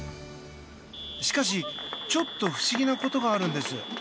しかし、ちょっと不思議なことがあるんです。